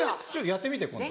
やってみて今度。